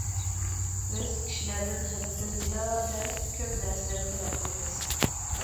بىز كىشىلەردىن ھەددىدىن زىيادە كۆپ نەرسىلەرنى تەلەپ قىلىمىز.